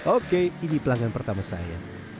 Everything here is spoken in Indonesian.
oke ini pelanggan pertama saya